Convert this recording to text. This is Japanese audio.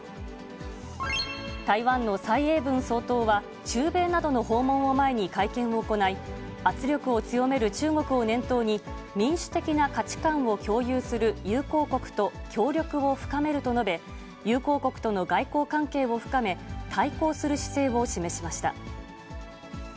台湾の蔡英文総統は、中米などの訪問を前に会見を行い、圧力を強める中国を念頭に、民主的な価値観を共有する友好国と協力を深めると述べ、友好国との外交関係を深め、対抗する姿勢を示しました。